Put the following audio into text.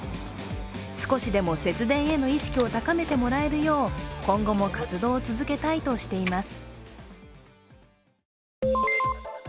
少しでも節電への意識を高めてもらえるよう今後も活動を続けたいとしています。